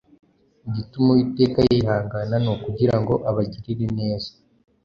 Igituma Uwiteka yihangana ni ukugira ngo abagirire neza,